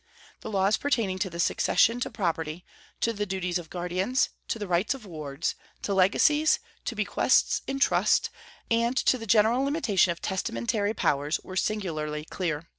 The laws pertaining to the succession to property, to the duties of guardians, to the rights of wards, to legacies, to bequests in trust, and to the general limitation of testamentary powers were singularly clear.